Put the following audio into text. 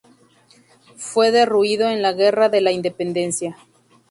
Fue derruido en la guerra de la Independencia.